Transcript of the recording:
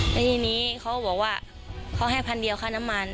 แล้วทีนี้เขาบอกว่าเขาให้พันเดียวค่าน้ำมัน